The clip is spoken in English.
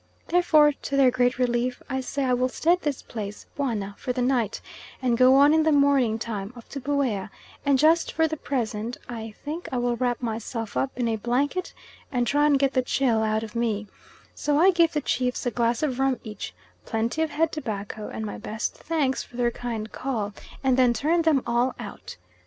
Therefore, to their great relief, I say I will stay at this place Buana for the night, and go on in the morning time up to Buea; and just for the present I think I will wrap myself up in a blanket and try and get the chill out of me, so I give the chiefs a glass of rum each, plenty of head tobacco, and my best thanks for their kind call, and then turn them all out.